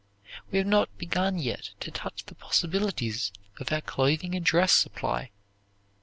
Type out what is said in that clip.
We have not begun yet to touch the possibilities of our clothing and dress supply.